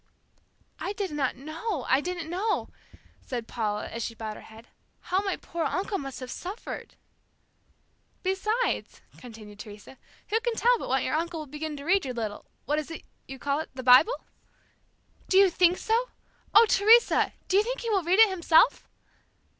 "I did not know, I did not know," said Paula, as she bowed her head; "how my poor uncle must have suffered!" "Besides," continued Teresa, "who can tell but what your uncle will begin to read your little what is it you call it? the Bible?" "Do you think so? Oh, Teresa! Do you think he will read it himself?"